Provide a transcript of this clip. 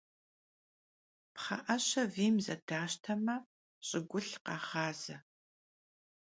Pxhe'eşe viym zedaşteme, ş'ıgulh khağaze.